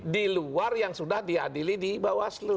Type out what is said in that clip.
di luar yang sudah diadili di bawah selu